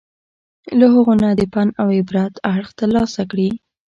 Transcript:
له هغو نه د پند او عبرت اړخ ترلاسه کړي.